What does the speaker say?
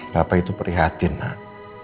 papa itu perhatian nak